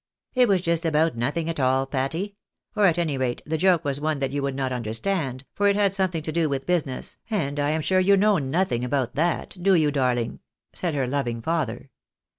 " It was just about nothing at all, Patty ; or, at any rate, the joke was one that you would not understand, for it had something to do with business, and I am sure you know nothing about that, do you, darling ?" said her loving father.